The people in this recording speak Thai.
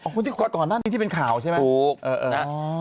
อ๋อคนที่ก่อนนั้นที่เป็นข่าวใช่ไหม